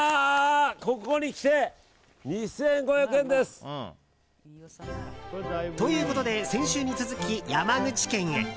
ここにきて２５００円です！ということで先週に続き山口県へ。